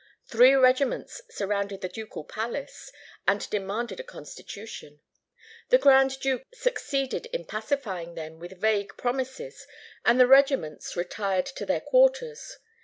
Three regiments surrounded the ducal palace, and demanded a constitution. The Grand Duke succeeded in pacifying them with vague promises; and the regiments retired to their quarters.